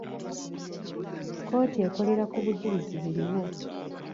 Kkooti ekolera ku bujulizi buliwo.